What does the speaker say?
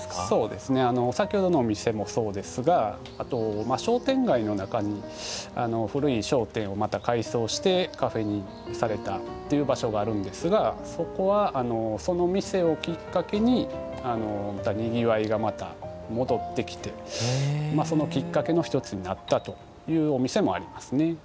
そうですね先ほどのお店もそうですがあと商店街の中に古い商店をまた改装してカフェにされたっていう場所があるんですがそこはその店をキッカケににぎわいがまた戻ってきてそのキッカケの一つになったというお店もありますね。